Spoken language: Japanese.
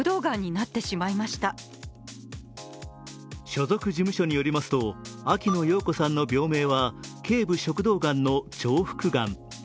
所属事務所によりますと秋野暢子さんの病名はけい部食道がんの重複がん。